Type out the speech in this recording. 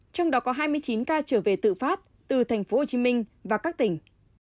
trong đó có hai mươi chín ca trở về tự phát từ thành phố hồ chí minh và các tỉnh